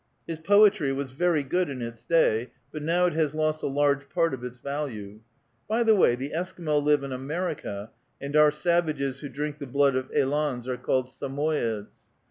His poetry was very good in its day, but now it has lost a large part of its value. By the way, the Esqui \ maux live in America, and our savages who drink the blood I of elans are called Samoyeds."